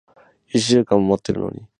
一週間も待ってるのに。